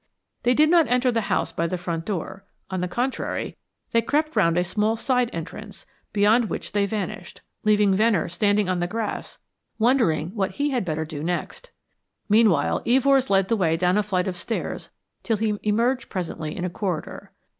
They did not enter the house by the front door on the contrary, they crept round a small side entrance, beyond which they vanished, leaving Venner standing on the grass wondering what he had better do next. Meanwhile, Evors led the way down a flight of stairs till he emerged presently in a corridor.